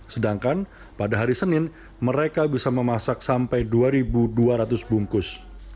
sedangkan pada hari senin mereka bisa memasak sampai dua dua ratus bungkus